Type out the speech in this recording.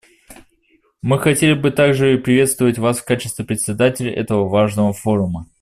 Мы хотели бы также приветствовать вас в качестве Председателя этого важного форума.